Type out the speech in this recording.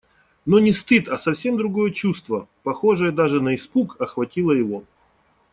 Но не стыд, а совсем другое чувство, похожее даже на испуг, охватило его.